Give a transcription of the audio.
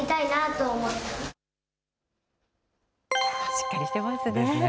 しっかりしてますね。